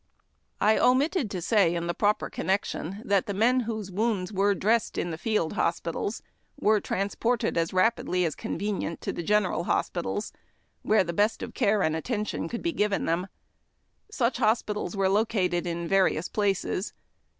315 I omitted to say in the proper connection that the men whose wounds were dressed in the lield hospitals were transported as rapidly as convenient to the general hospitals, where the best of care and attention could be given them. Such hospitals were located in various places.